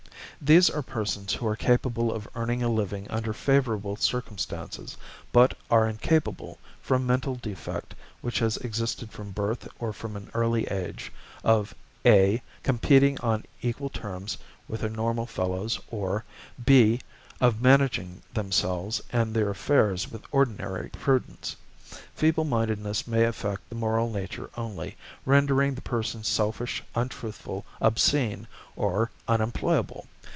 = These are persons who are capable of earning a living under favourable circumstances, but are incapable, from mental defect which has existed from birth or from an early age, of (a) competing on equal terms with their normal fellows, or (b) of managing themselves and their affairs with ordinary prudence. Feeble mindedness may affect the moral nature only, rendering the person selfish, untruthful, obscene, or unemployable.